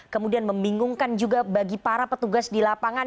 kemudian membingungkan juga bagi para petugas di lapangan